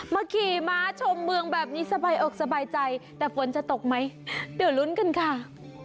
ขี่ม้าชมเมืองแบบนี้สบายอกสบายใจแต่ฝนจะตกไหมเดี๋ยวลุ้นกันค่ะ